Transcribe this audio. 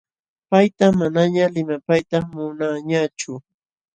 Payta manañaq limapayta munaañachu.